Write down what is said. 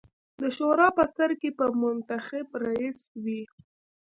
د شورا په سر کې به منتخب رییس وي.